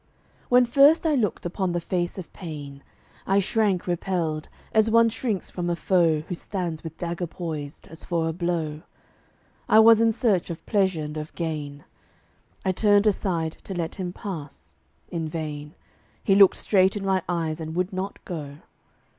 When first I looked upon the face of Pain I shrank repelled, as one shrinks from a foe Who stands with dagger poised, as for a blow. I was in search of Pleasure and of Gain; I turned aside to let him pass: in vain; He looked straight in my eyes and would not go.